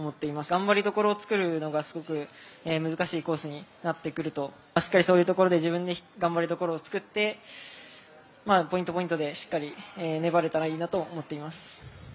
頑張りどころを作るのがすごく難しいコースになってくると、しっかりそういうところで自分で頑張りどころを作ってポイントポイントでしっかり粘れたらいいなと思ってます。